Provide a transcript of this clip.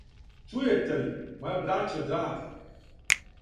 "Чујете ли, моја браћо драга,"